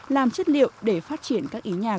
làm chất liệu để phát triển các ý nhạc